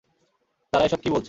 তারা এসব কি বলছে?